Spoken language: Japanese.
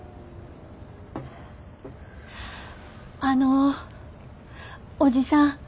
あのおじさん。